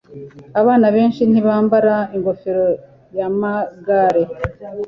Abana benshi ntibambara ingofero yamagare.